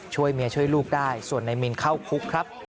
ช่วยเมียช่วยลูกได้ส่วนนายมินเข้าคุกครับ